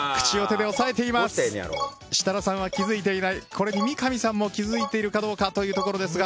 これに三上さんも気づいているかどうかというところですが。